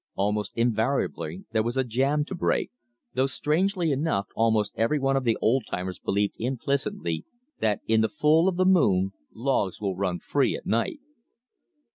Almost invariably there was a jam to break, though strangely enough almost every one of the old timers believed implicitly that "in the full of the moon logs will run free at night."